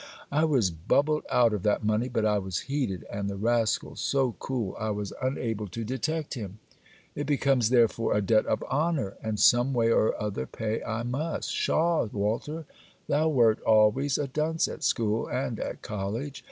I was bubbled out of that money, but I was heated and the rascal so cool, I was unable to detect him; it becomes therefore a debt of honour and someway or other pay I must Pshaw! Walter, thou wert always a dunce at school and at college.